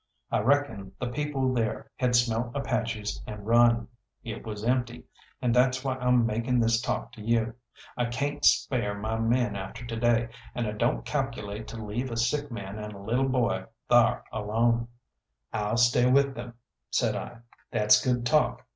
I reckon the people there had smelt Apaches and run. It was empty, and that's why I'm making this talk to you. I cayn't spare my men after to day, and I don't calculate to leave a sick man and a lil' boy thar alone." "I'll stay with them," said I. "That's good talk.